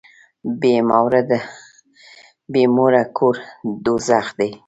بي موره کور دوږخ دی.